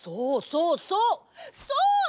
そうそうそう。